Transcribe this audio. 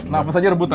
nafas saja rebutan